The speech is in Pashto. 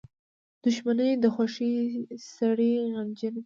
• دښمني د خوښۍ سړی غمجن کوي.